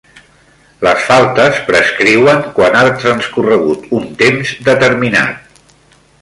Les faltes prescriuen quan ha transcorregut un temps determinat.